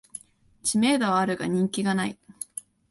知名度はあるが人気ない